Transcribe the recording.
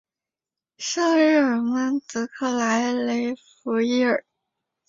圣日尔曼德克莱雷弗伊尔。